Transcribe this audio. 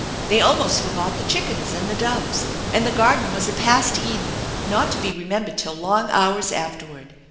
They almost forgot the chickens and the doves, and the garden was a past Eden not to be remembered till long hours afterward.